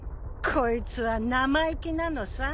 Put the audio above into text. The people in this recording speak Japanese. こいつは生意気なのさ。